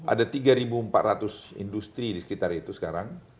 ada tiga empat ratus industri di sekitar itu sekarang